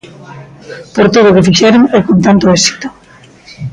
Por todo o que fixeron, e con tanto éxito.